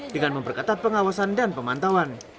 dengan memperketat pengawasan dan pemantauan